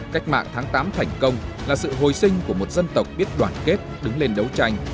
cách mạng tháng tám thành công là sự hồi sinh của một dân tộc biết đoàn kết đứng lên đấu tranh